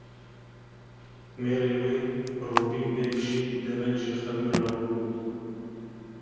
Mêrê wê Robîn Beg jî dereng ji xewê rabûbû.